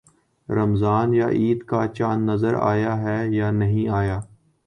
رمضان یا عید کا چاند نظر آیا ہے یا نہیں آیا